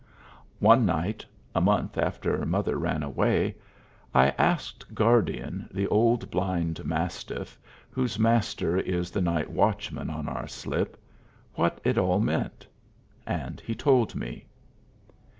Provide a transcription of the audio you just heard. One night, a month after mother ran away, I asked Guardian, the old blind mastiff, whose Master is the night watchman on our slip, what it all meant. And he told me.